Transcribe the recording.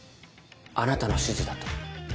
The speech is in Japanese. あなたの指示だと。